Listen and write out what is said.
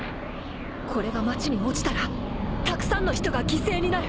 これが町に落ちたらたくさんの人が犠牲になる。